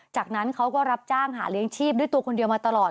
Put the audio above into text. จากนั้นเขาก็รับจ้างหาเลี้ยงชีพด้วยตัวคนเดียวมาตลอด